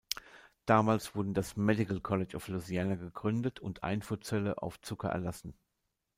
Damals wurden das "Medical College of Louisiana" gegründet und Einfuhrzölle auf Zucker erlassen.